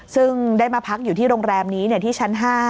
ซึ่งได้มาพักอยู่ที่โรงแรมนี้ที่ชั้น๕